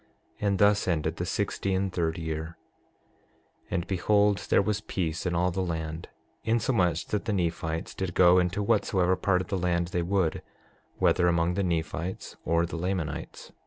And thus ended the sixty and third year. 6:7 And behold, there was peace in all the land, insomuch that the Nephites did go into whatsoever part of the land they would, whether among the Nephites or the Lamanites.